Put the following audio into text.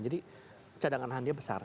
jadi cadangan harganya besar